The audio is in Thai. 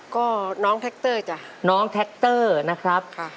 ก็น้องแท็กเตอร์จ้ะน้องแท็กเตอร์นะครับ